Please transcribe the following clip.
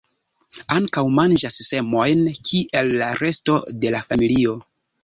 Ankaŭ manĝas semojn, kiel la resto de la familio.